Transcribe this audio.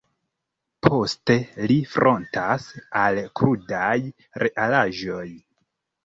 Poste ili frontas al krudaj realaĵoj.